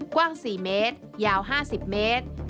กว้าง๔เมตรยาว๕๐เมตร